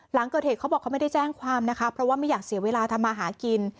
หลังเกิดเหตุเขาบอกเขาไม่ได้แจ้งความนะคะเพราะว่าไม่อยากเสียเวลาทำมาหากิน